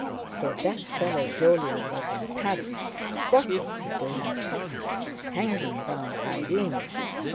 So that fellow Jolyon was in Paris—what was he doing there? Hanging round Irene!